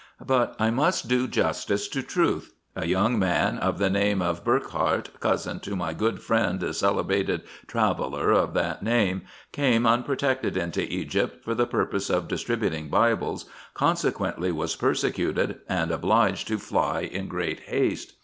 But I must do justice to truth. A young man, of the name of Burckhardt, cousin to my good friend the celebrated traveller of that name, came, unprotected, into Egypt for the purpose of distributing Bibles, consequently was persecuted, and obliged to fly in great haste.